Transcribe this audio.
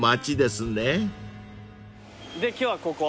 今日はここ。